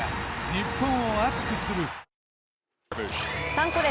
「サンコレ」